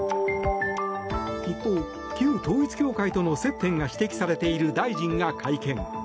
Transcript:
一方、旧統一教会との接点が指摘されている大臣が会見。